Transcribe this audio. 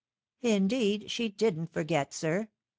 " Indeed, she didn't forget, sir.